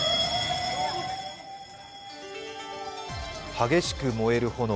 激しく燃える炎。